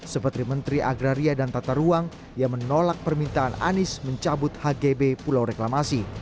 seperti menteri agraria dan tata ruang yang menolak permintaan anies mencabut hgb pulau reklamasi